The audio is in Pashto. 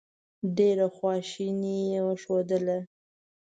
ډېره خواشیني یې ښودله.